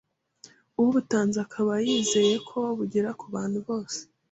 ubutanze akaba yizeye ko bugera ku bantu bose